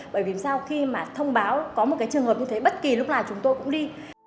bởi vì sao khi mà thông báo có một cái trường hợp như thế bất kỳ lúc nào chúng tôi cũng đi